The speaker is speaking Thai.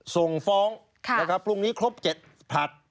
ส่งฟ้องนะครับพรุ่งนี้ครบ๗ผลัด